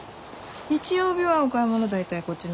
日曜日はお買い物大体こっちの。